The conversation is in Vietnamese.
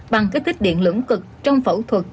bằng kích thích điện lưỡng cực trong phẫu thuật